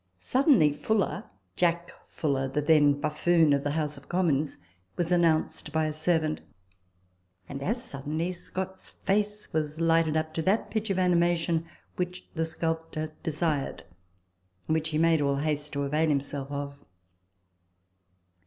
Suddenly, Fuller ("Jack Fuller," the then buffoon of the House of Commons) was announced by a servant ; and, as suddenly, Scott's face was lighted up to that pitch of animation which the sculptor desired, and which he made all haste to avail himself of.